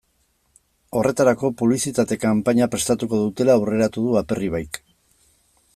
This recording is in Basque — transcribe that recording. Horretarako publizitate kanpaina prestatuko dutela aurreratu du Aperribaik.